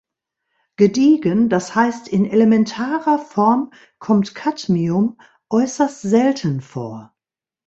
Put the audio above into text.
Gediegen, das heißt in elementarer Form, kommt Cadmium äußerst selten vor.